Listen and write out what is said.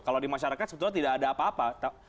kalau di masyarakat sebetulnya tidak ada apa apa